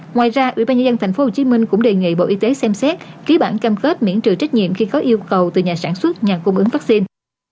ngoài ra quỹ ban nhân dân tp hcm cũng đề nghị bộ y tế xem xét ký bản cam kết miễn trừ trách nhiệm khi có yêu cầu từ nhà sản xuất nhà cung ứng vaccine